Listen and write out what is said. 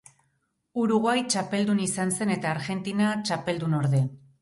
Uruguai txapeldun izan zen eta Argentina, txapeldunorde.